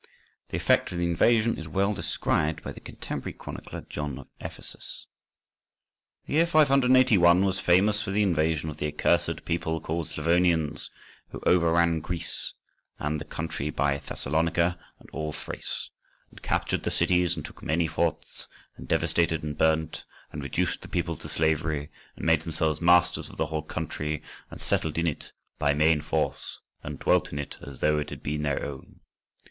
The effect of the invasion is well described by the contemporary chronicler, John of Ephesus— "The year 581 was famous for the invasion of the accursed people called Slavonians, who overran Greece and the country by Thessalonica, and all Thrace, and captured the cities and took many forts, and devastated and burnt, and reduced the people to slavery, and made themselves masters of the whole country, and settled in it, by main force, and dwelt in it as though it had been their own.